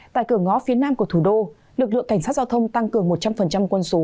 tại cửa ngõ phía nam của thủ đô lực lượng cảnh sát giao thông tăng cường một trăm linh quân số